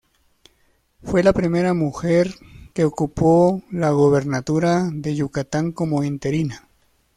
Fue la primera mujer que ocupó la gubernatura de Yucatán, como interina.